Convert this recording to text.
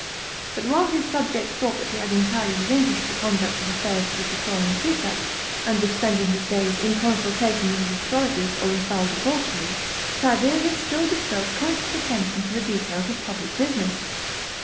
But while his subjects thought that he had entirely relinquished the conduct of affairs to the pratorian prefect, and was spending his days in consultation with his astrologers or in foul debauchery, Tiberius still bestowed constant attention to the details of public business.